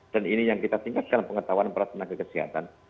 dan ini yang kita tingkatkan pengetahuan para tenaga kesehatan